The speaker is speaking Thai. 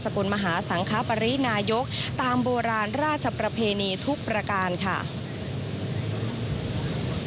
กลมหาสังคปรินายกตามโบราณราชประเพณีทุกประการค่ะ